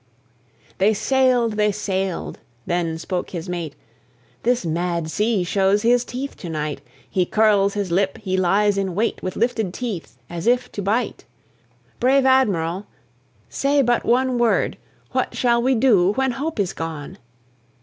They sailed, they sailed, then spoke his mate: "This mad sea shows his teeth to night, He curls his lip, he lies in wait, With lifted teeth as if to bite! Brave Admiral, say but one word; What shall we do when hope is gone?"